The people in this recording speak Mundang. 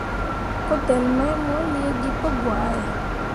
Kudelle mai mo liigi pǝgwahe.